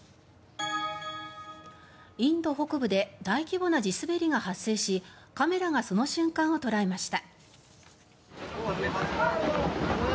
インド北部で大規模な地滑りが発生しカメラがその瞬間を捉えました。